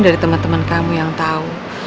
dari teman teman kamu yang tahu